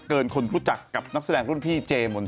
คนรู้จักกับนักแสดงรุ่นพี่เจมน